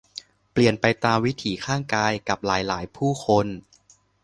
เปลี่ยนไปตามวิถีข้างกาย กับหลาย หลายผู้คน